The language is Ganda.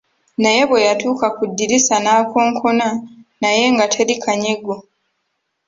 Naye bwe yatuuka ku ddirisa n'akonkona naye nga teri kanyego.